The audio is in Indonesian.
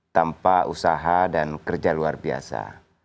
tanpa usaha dan kerja luar biasa